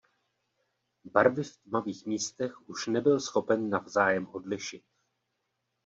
Barvy v tmavých místech už nebyl schopen navzájem odlišit.